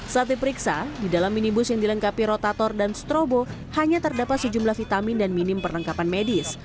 saat diperiksa di dalam minibus yang dilengkapi rotator dan strobo hanya terdapat sejumlah vitamin dan minim perlengkapan medis